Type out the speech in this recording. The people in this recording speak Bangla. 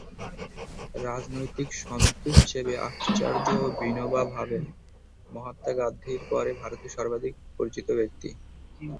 রাজনৈতিক সন্ত হিসেবে আচার্য বিনোবা ভাবে মহাত্মা গান্ধীর পরে ভারতে সর্বাধিক পরিচিত ব্যক্তি।